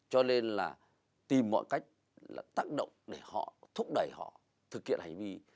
cho nên là tìm mọi cách tác động để họ thúc đẩy họ thực hiện hành vi